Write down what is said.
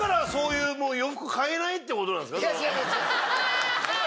違う違う！